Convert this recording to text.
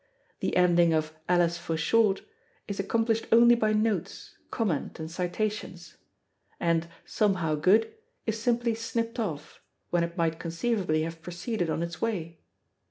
The ending of Alice for Short is accomplished only by notes, comment, and citations. And Somehow Good is simply snipped off, when it might conceivably have proceeded on its way.